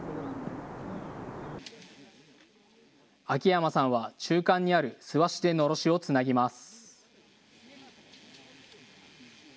秋山さんは中間にある諏訪市でのろしをつなぎます。